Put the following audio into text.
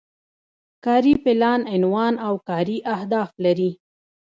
کاري پلان عنوان او کاري اهداف لري.